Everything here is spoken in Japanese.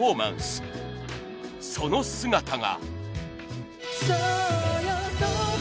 その姿が。